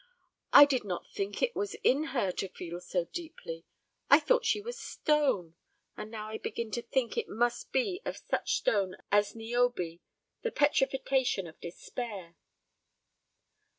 "I did not think it was in her to feel so deeply. I thought she was stone, and now I begin to think it must be of such stone as Niobe the petrification of despair."